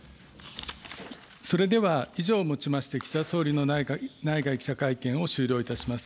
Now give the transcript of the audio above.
それでは以上をもちまして、岸田総理の内外記者会見を終了いたします。